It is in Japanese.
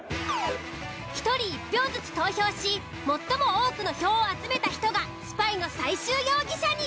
１人１票ずつ投票し最も多くの票を集めた人がスパイの最終容疑者に。